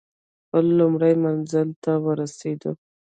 خپل لومړي منزل ته ورسېدو.